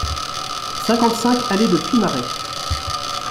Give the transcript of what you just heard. cinquante-cinq allée de Puymaret